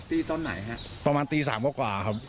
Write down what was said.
ตีตอนไหนครับประมาณตี๓กว่ากว่าครับ